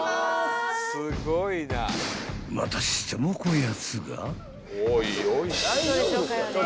［またしてもこやつが］